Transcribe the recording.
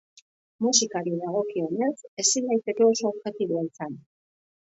Musikari dagokionez, ezin naiteke oso objetibo izan.